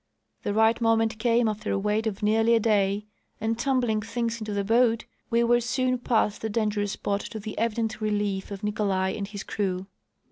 The right moment came after a wait of nearly a day, and tumbling things into the boat we were soon past the dangerous spot, to the evident relief of Nicolai and his crew.